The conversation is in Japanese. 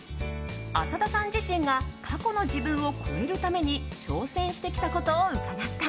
浅田さん自身が過去の自分を超えるために挑戦してきたことを伺った。